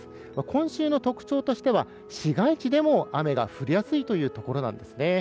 今週の特徴としては市街地でも雨が降りやすいというところなんですね。